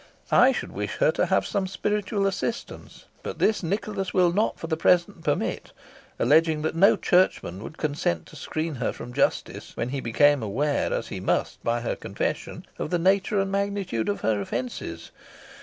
I should wish her to have some spiritual assistance, but this Nicholas will not for the present permit, alleging that no churchman would consent to screen her from justice when he became aware, as he must by her confession, of the nature and magnitude of her offences.